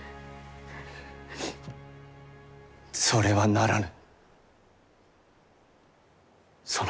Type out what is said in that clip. それはならぬ。